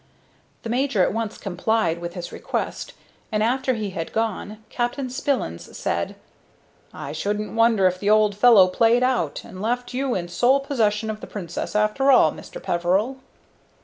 The major at once complied with this request, and, after he had gone, Captain Spillins said: "I shouldn't wonder if the old fellow played out and left you in sole possession of the Princess, after all, Mr. Peveril."